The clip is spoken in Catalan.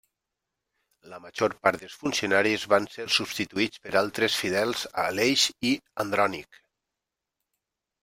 La major part dels funcionaris van ser substituïts per altres fidels a Aleix i Andrònic.